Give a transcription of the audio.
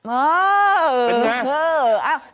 เออไปไหน